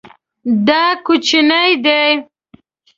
دا کوچنی دی